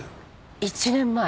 １年前。